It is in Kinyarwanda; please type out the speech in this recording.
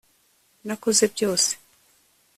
nakoze byose